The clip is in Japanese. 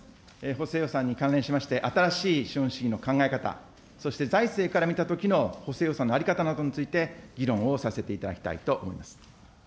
補正予算に関連しまして、新しい資本主義の考え方、そして財政から見たときの補正予算の在り方などについて議論をさせていただきたいと思います。